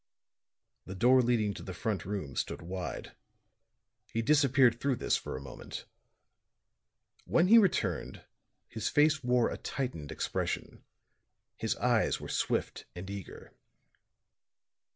The door leading to the front room stood wide. He disappeared through this for a moment; when he returned, his face wore a tightened expression; his eyes were swift and eager.